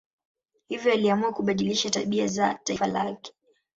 Hivyo aliamua kubadilisha tabia za taifa lake.